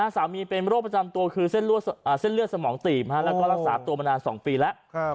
สามีเป็นโรคประจำตัวคือเส้นเลือดสมองตีบแล้วก็รักษาตัวมานาน๒ปีแล้ว